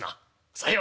「さよう。